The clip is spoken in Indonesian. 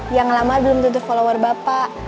yang lama belum tutup follower bapak